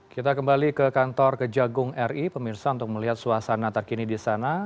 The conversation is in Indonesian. kita kembali ke kantor kejagung ri pemirsa untuk melihat suasana terkini di sana